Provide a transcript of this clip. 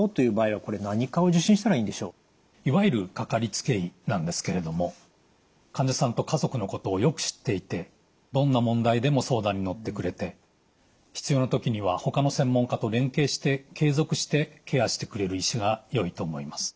いわゆるかかりつけ医なんですけれども患者さんと家族のことをよく知っていてどんな問題でも相談に乗ってくれて必要な時にはほかの専門科と連携して継続してケアしてくれる医師がよいと思います。